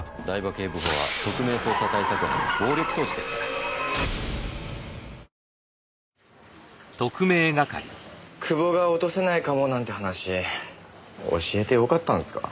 「エリエール」マスクも久保が落とせないかもなんて話教えてよかったんですか？